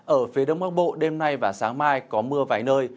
ở phía đông bắc bộ đêm nay và sáng mai có mưa vài nơi